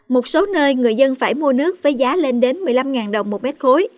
một số nơi người dân phải mua nước với giá lên đến một mươi năm đồng một mét khối